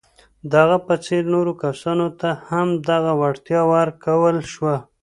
د هغه په څېر نورو کسانو ته هم دغه وړتیا ورکول شوه.